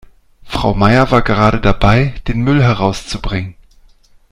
Frau Meier war gerade dabei, den Müll herauszubringen.